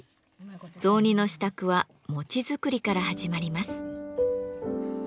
雑煮の支度は餅作りから始まります。